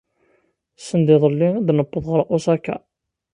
Send iḍelli i d-newweḍ ɣer Osaka.